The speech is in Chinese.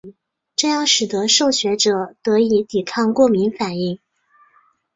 这样使得受血者得以抵抗过敏反应。